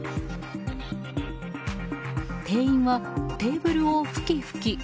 店員はテーブルを拭き拭き。